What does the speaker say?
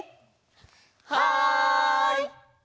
はい！